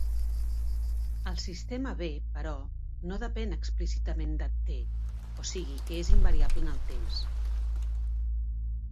El sistema B, però, no depèn explícitament de "t", o sigui que és invariable en el temps.